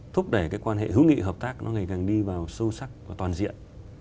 thúc đẩy cái quan hệ hữu nghị hợp tác nó ngày càng đi vào sâu sắc và toàn diện